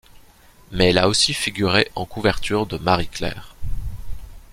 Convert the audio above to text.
Mais elle a aussi figuré en couverture de Marie-Claire.